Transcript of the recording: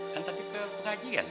kan tapi ke pengajian mak